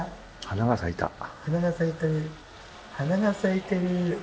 花が咲いてる。